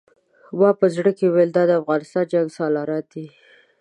ما په زړه کې ویل دا د افغانستان جنګسالاران دي.